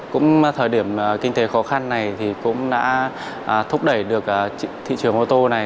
cũng thời điểm kinh tế khó khăn này thì cũng đã thúc đẩy được thị trường ô tô này